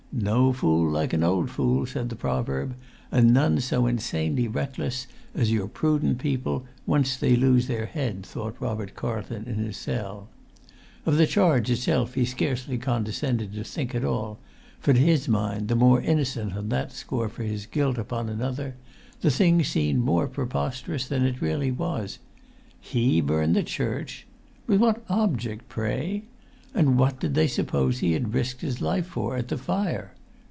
No fool like an old fool, said the proverb; and none so insanely reckless as your prudent people, once they lose their head, thought Robert Carlton in his cell.[Pg 144] Of the charge itself he scarcely condescended to think at all; for to his mind, the more innocent on that score for his guilt upon another, the thing seemed more preposterous than it really was. He burn the church! With what object, pray? And what did they suppose he had risked his life for at the fire?